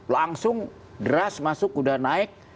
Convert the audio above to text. langsung deras masuk udah naik